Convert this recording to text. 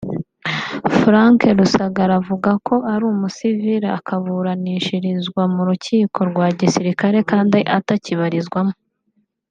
Frank Rusagara avuga ko ari umusivili akaburanishirizwa mu rukiko rwa gisirikare kandi atakikibarizwamo